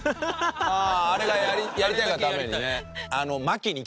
あああれがやりたいがためにね。